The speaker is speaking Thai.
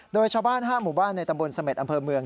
โดยชาวบ้าน๕หมู่บ้านในตำบลเสม็ดอำเภอเมือง